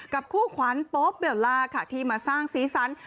กับคู่ขวานโป๊ปเบียวลาค่ะที่มาสร้างซีซัน